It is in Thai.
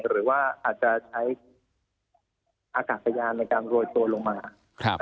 หรือว่าอาจจะใช้อากาศยานในการโรยตัวลงมา